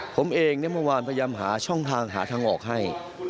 ผมเองเมื่อวานพยายามหาช่องทางหาทางออกให้